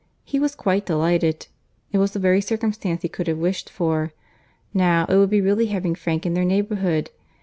He was quite delighted. It was the very circumstance he could have wished for. Now, it would be really having Frank in their neighbourhood.